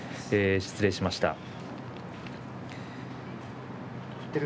失礼しました。